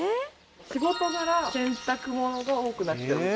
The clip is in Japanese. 仕事柄洗濯物が多くなってる。